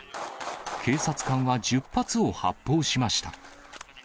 警察官は１０発を発砲しました。